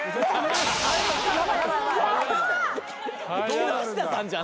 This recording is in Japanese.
木下さんじゃん。